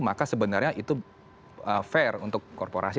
maka sebenarnya itu fair untuk korporasi